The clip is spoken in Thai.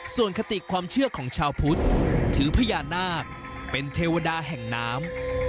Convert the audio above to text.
ส่วนคติความเชื่อของชาวพุทธถือพญานาคเป็นเทวดาแห่งน้ำ